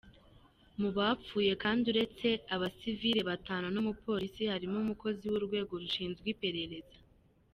Mu bapfuye kandi uretse abasivili batanu n’umupolisi, harimo umukozi w’urwego rushinzwe iperereza.